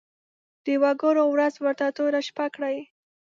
د وګړو ورځ ورته توره شپه کړي.